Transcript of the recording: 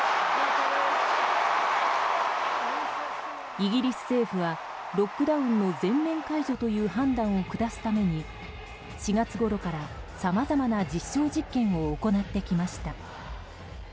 イギリス政府はロックダウンの全面解除という判断を下すために４月ごろからさまざまな実証実験を行ってきました。